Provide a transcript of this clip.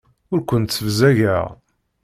Ur kent-ssebzageɣ.